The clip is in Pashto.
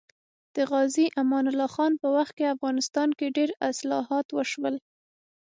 د غازي امان الله خان په وخت کې افغانستان کې ډېر اصلاحات وشول